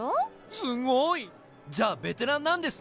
すごい！じゃあベテランなんですね。